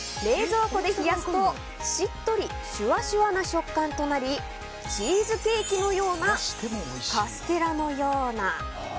冷蔵庫で冷やすとしっとりシュワシュワな食感となりチーズケーキのようなカステラのような。